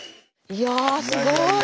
いやすごい。